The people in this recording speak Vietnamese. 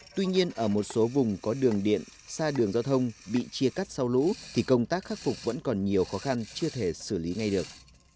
tuy nhiên ở một số vùng có đường điện xa đường giao thông bị chia cắt sau lũ thì công tác khắc phục vẫn còn nhiều khó khăn chưa thể xử lý ngay được